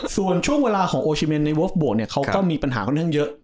ส่วนช่วงเวลาของโอชิเมนในวอฟบวกเนี่ยเขาก็มีปัญหาขนาดนั้นเยอะ